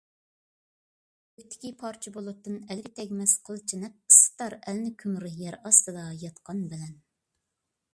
كۆكتىكى پارچە بۇلۇتتىن ئەلگە تەگمەس قىلچە نەپ، ئىسسىتار ئەلنى كۆمۈر يەر ئاستىدا ياتقان بىلەن.